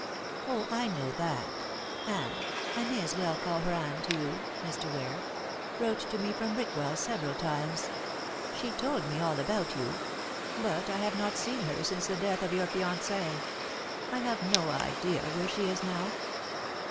"Oh, I know that. Anne I may as well call her Anne to you, Mr. Ware wrote to me from Rickwell several times. She told me all about you. But I have not seen her since the death of your fiancée. I have no idea where she is now."